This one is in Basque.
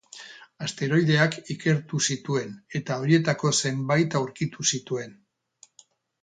Asteroideak ikertu zituen, eta horietako zenbait aurkitu zituen.